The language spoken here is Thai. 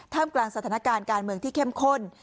กลางสถานการณ์การเมืองที่เข้มข้น